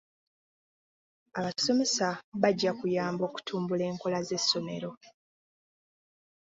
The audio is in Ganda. Abasomesa bajja kuyamba okutumbula enkola z'essomero.